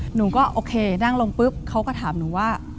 หนูก็โอเคนั่งลงปุ๊บเขาก็ถามหนูว่า